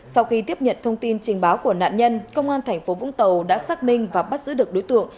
sau khi tiếp nhận thông tin trình báo của nạn nhân công an tp vũng tàu đã xác minh và bắt giữ được đối tượng